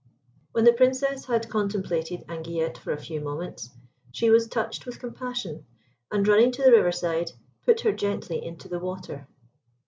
When the Princess had contemplated Anguillette for a few moments, she was touched with compassion, and running to the riverside, put her gently into the water.